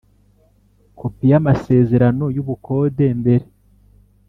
Kopi y amasezerano y ubukode mbere